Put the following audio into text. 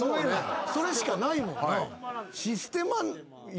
それしかないもんな。